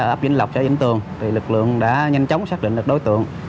ở ấp vĩnh lộc sợi vĩnh tường lực lượng đã nhanh chóng xác định được đối tượng